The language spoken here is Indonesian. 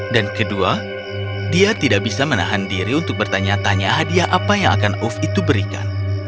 dan kedua dia tidak bisa menahan diri untuk bertanya tanya hadiah apa yang akan uf itu berikan